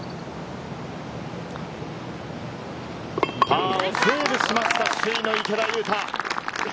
パーをセーブしました、首位の池田勇太。